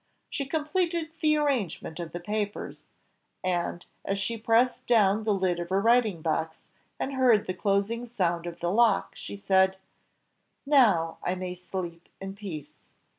She completed the arrangement of the papers, and, as she pressed down the lid of her writing box, and heard the closing sound of the lock, she said, "Now I may sleep in peace."